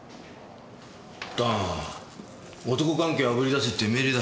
だが男関係をあぶり出せっていう命令だ。